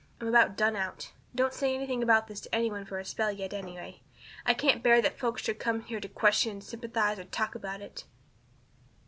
I'm about done out. Don't say anything about this to any one for a spell yet, anyway. I can't bear that folks should come here to question and sympathize and talk about it."